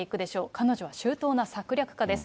彼女は周到な策略家です。